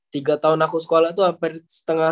tiga tahun aku sekolah itu hampir setengah